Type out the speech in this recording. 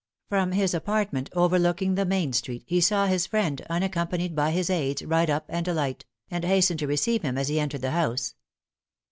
From his apartment overlooking the main street, he saw his friend, unaccompanied by his aids, ride up and alight; and hastened to receive him as he entered the house.